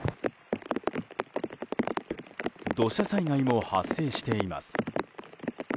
土砂災害も発生しています。